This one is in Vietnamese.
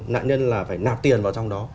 nạn nhân là phải nạp tiền vào trong đó